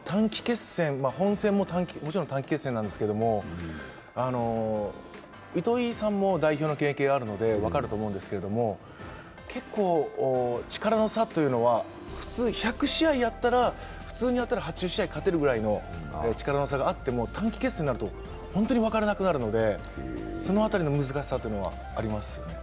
本戦ももちろん短期決戦なんですけど、糸井さんも代表の経験あるので、分かると思うんですけど、結構力の差というのは普通１００試合やったら普通にやったら８０試合勝てるくらいの力の差があっても短期決戦になると本当に分からなくなるのでその辺りの難しさはありますよね。